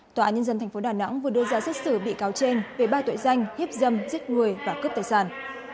tòa án nhân dân tp đà nẵng vừa đưa ra xét xử bị cáo trên về ba tội danh hiếp dâm giết người và cướp tài sản